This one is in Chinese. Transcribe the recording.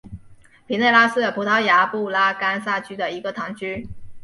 皮内拉是葡萄牙布拉干萨区的一个堂区。